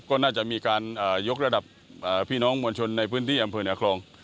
ก็น่าจะมีการยกระดับพี่น้องมวลชนในพื้นที่อำเภอเหนือคลอง